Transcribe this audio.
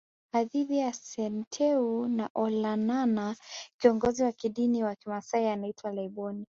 Hadithi ya Senteu na Olanana Kiongozi wa kidini wa kimasai anaitwa Laiboni